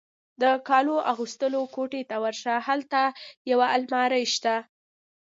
د کالو اغوستلو کوټې ته ورشه، هلته یو المارۍ شته.